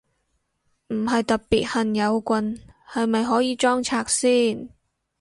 唔係特別恨有棍，係咪可以裝拆先？